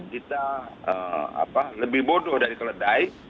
kita lebih bodoh dari keledai